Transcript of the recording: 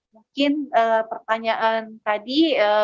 mungkin pertanyaan tadi